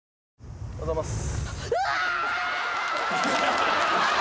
おはようございます。